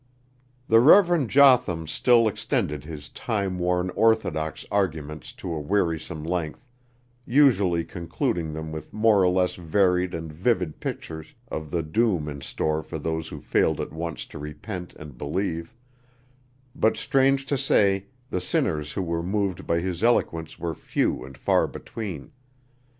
The Rev. Jotham still extended his time worn orthodox arguments to a wearisome length, usually concluding them with more or less varied and vivid pictures of the doom in store for those who failed at once to repent and believe; but strange to say the sinners who were moved by his eloquence were few and far between.